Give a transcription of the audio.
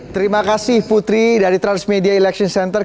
terima kasih putri dari transmedia election center